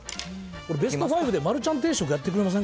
ベスト５で丸ちゃん定食やってくれません？